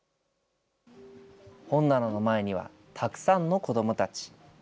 本棚の前にはたくさんの子どもたち。